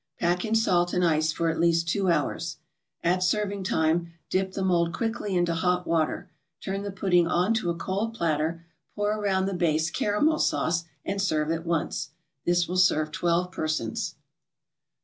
Pack in salt and ice for at least two hours. At serving time, dip the mold quickly into hot water, turn the pudding on to a cold platter, pour around the base caramel sauce, and serve at once. This will serve twelve persons.